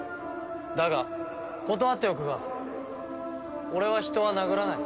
だが断っておくが俺は人は殴らない。